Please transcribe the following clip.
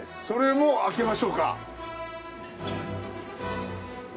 それも開けましょうか。